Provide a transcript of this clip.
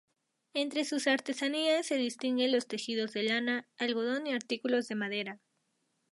Entre sus artesanías se distinguen los tejidos de lana, algodón y artículos de madera.